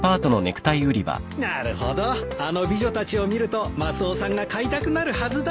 なるほどあの美女たちを見るとマスオさんが買いたくなるはずだ。